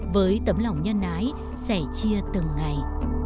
với tấm lòng nhân ái sẽ chia từng ngày